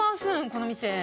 この店。